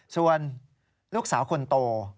ส่วนลูกสาวคนโต